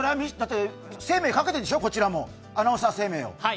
生命かけてるんでしょ、こちらもアナウンサー生命を。